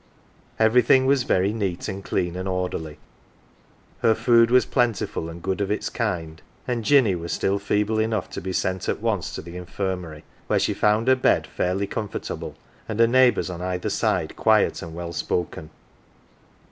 Everything was very neat and clean and orderly ; her food was plentiful and good of its kind ; and Jinny was still feeble enough to be sent at once to the infirmary, where she found her bed fairly comfortable and her neighbours on either side quiet and well spoken.